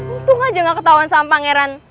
untung aja gak ketahuan sama pangeran